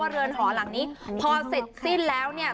เรือนหอหลังนี้พอเสร็จสิ้นแล้วเนี่ย